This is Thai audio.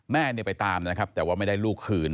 แม่ไปตามแต่ว่าไม่ได้ลูกขืน